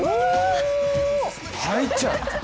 入っちゃう。